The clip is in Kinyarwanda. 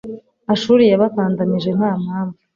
ashuri yabakandamije nta mpamvu